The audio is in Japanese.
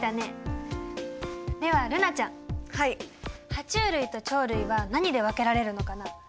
ハチュウ類と鳥類は何で分けられるのかな？